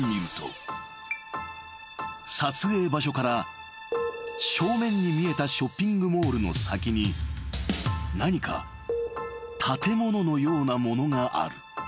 ［撮影場所から正面に見えたショッピングモールの先に何か建物のようなものがある］